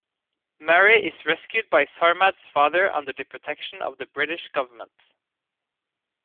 Mary is rescued by Sarmad's father under the protection of the British government.